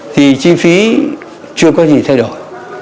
thì chi phí chưa có gì thay đổi